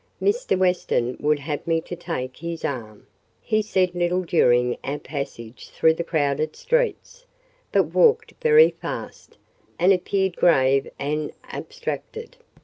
Mr. Weston would have me to take his arm; he said little during our passage through the crowded streets, but walked very fast, and appeared grave and abstracted.